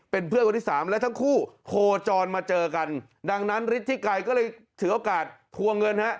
เป็นเพื่อนคนที่สามและทั้งคู่โคจรมาเจอกันดังนั้นฤทธิไกรก็เลยถือโอกาสทวงเงินฮะ